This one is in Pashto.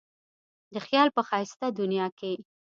د خیال په ښایسته دنیا کې.